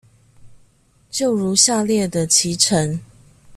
就如下列的期程